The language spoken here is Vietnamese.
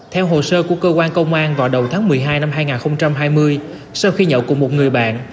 theo hồ sơ của cơ quan công an vào đầu tháng một mươi hai năm hai nghìn hai mươi sau khi nhậu cùng một người bạn